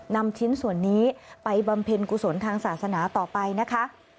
นำชิ้นส่วนนี้ไปบำเพ็ญกุศลทางศาสนาต่อไปนะคะ